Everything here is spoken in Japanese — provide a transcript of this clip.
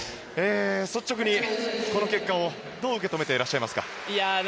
率直に、この結果をどう受け止めていらっしゃいますか。